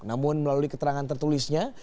namun melalui keterangan tertulisnya